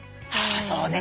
そうね。